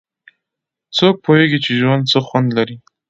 څوک پوهیږي چې ژوند څه خوند لري